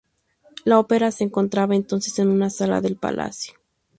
La ópera se encontraba entonces en una sala del palacio.